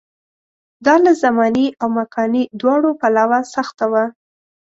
دا له زماني او مکاني دواړو پلوه سخته وه.